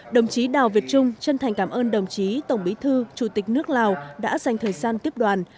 đồng chí đào việt trung chân thành cảm ơn đồng chí tổng bí thư chủ tịch nước lào đã dành thời gian tiếp đoàn